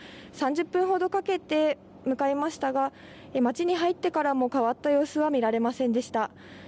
３０分ほどかけて向かいましたが町に入ってからも変わった様子は見られませんでした。